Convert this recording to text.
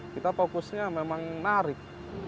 kita fokusnya memang narik